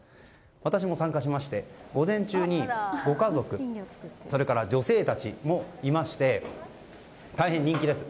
私も参加しまして午前中にご家族それから女性たちもいまして大変人気です。